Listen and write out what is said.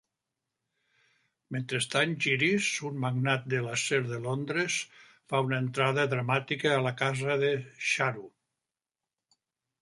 Mentrestant, Girish, un magnat de l'acer de Londres, fa una entrada dramàtica a la casa de Charu.